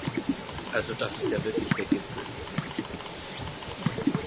Also das ist ja wirklich der Gipfel